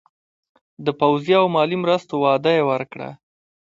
د پوځي او مالي مرستو وعده یې ورکړه.